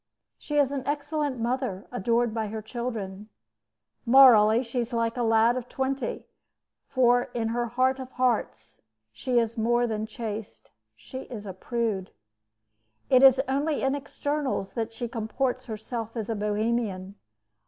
She is an excellent mother, adored by her children. Morally, she is like a lad of twenty; for in her heart of hearts, she is more than chaste she is a prude. It is only in externals that she comports herself as a Bohemian.